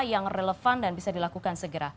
yang relevan dan bisa dilakukan segera